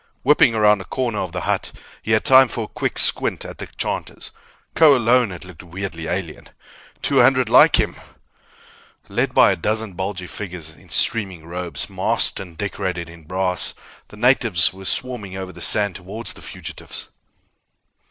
Whipping around a corner of the hut, he had time for a quick squint at the chanters. Kho alone had looked weirdly alien. Two hundred like him ! Led by a dozen bulgy figures in streaming robes, masked and decorated in brass, the natives were swarming over the sand toward the fugitives.